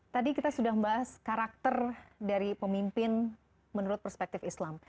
tadi kita sudah membahas karakter dari pemimpin menurut perspektif islam